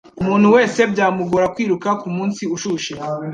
Umuntu wese byamugora kwiruka kumunsi ushushe.